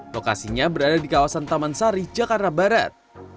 lokasinya berada di kawasan taman sari jakarta barat